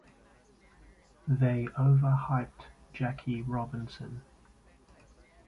They overhyped Jackie Robinson.